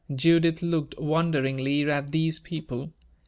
Judith looked wonderingly at these people.